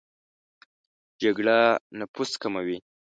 جګړه نفوس کموي